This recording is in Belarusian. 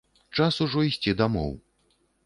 Час ужо ісці дамоў.